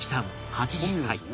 ８０歳